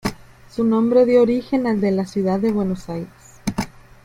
Su nombre dio origen al de la ciudad de Buenos Aires.